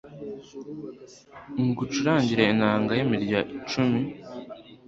ngucurangire inanga y’imirya cumi